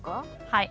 はい。